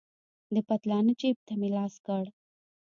د پتلانه جيب ته مې لاس کړ.